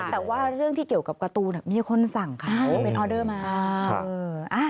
แต่ว่าเรื่องที่เกี่ยวกับการ์ตูนมีคนสั่งค่ะเป็นออเดอร์มา